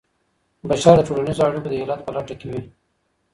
بشر د ټولنيزو اړيکو د علت په لټه کي وي.